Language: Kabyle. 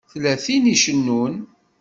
Tella tin i icennun.